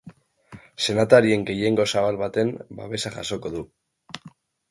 Senatarien gehiengo zabal baten babesa jasoko du.